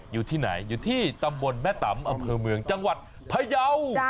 อยู่ที่ไหนอยู่ที่ตำบลแม่ตำอำเภอเมืองจังหวัดพยาว